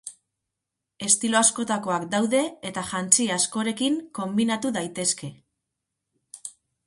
Estilo askotakoak daude eta jantzi askorekin konbinatu daitezke.